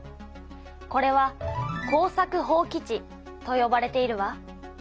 これは耕作放棄地とよばれているわ。